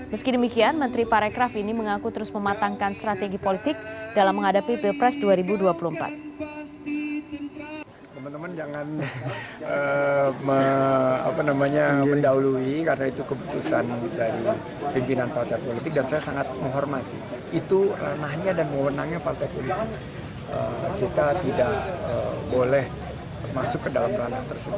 meski demikian menteri parekraf ini mengaku terus mematangkan strategi politik dalam menghadapi pilpres dua ribu dua puluh empat